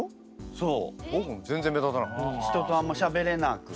そう。